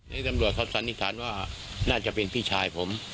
ตำรวจเขาสันนิษฐานว่าน่าจะเป็นพี่ชายผม